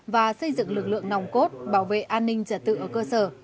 và xây dựng lực lượng nòng cốt bảo vệ an ninh trật tự ở cơ sở